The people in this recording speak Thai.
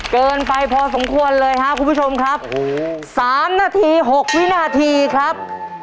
เกินไปพอสมควรเลยครับคุณผู้ชมครับสามนาทีหกวินาทีครับ